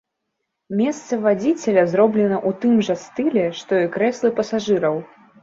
Месца вадзіцеля зроблена ў тым жа стылі, што і крэслы пасажыраў.